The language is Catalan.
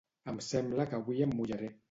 Em sembla que avui em mullaré